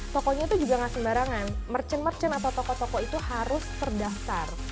tokonya itu juga gak sembarangan merchant merchant atau toko toko itu harus terdaftar